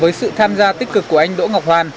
với sự tham gia tích cực của anh đỗ ngọc hoàn